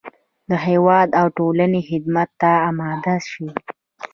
د هېواد او ټولنې خدمت ته اماده شي.